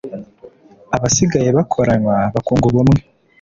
Abasigaye bakoranywa bakunga ubumwe